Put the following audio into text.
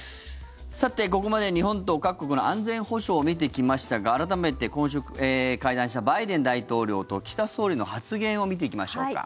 さて、ここまで日本と各国の安全保障を見てきましたが改めて今週、会談したバイデン大統領と岸田総理の発言を見ていきましょうか。